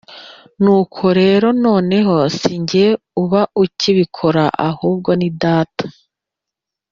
Nuko rero noneho si jye uba nkibikora ahubwo ni Data